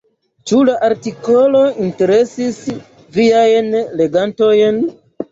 Ĉu la artikolo interesis viajn legantojn?